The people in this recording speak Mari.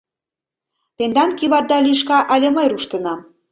Тендан кӱварда лӱшка але мый руштынам?..